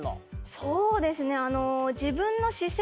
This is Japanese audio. そうですね。